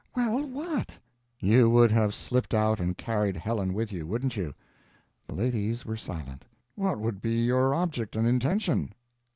"Well, what?" "You would have slipped out and carried Helen with you wouldn't you?" The ladies were silent. "What would be your object and intention?"